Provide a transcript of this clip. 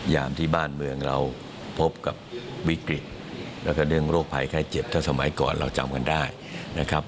ที่บ้านเมืองเราพบกับวิกฤตแล้วก็เรื่องโรคภัยไข้เจ็บถ้าสมัยก่อนเราจำกันได้นะครับ